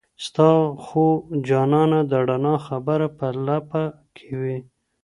ستا خو جانانه د رڼا خبر په لـپـه كي وي